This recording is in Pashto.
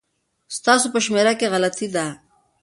ستاسو په شمېره کي غلطي ده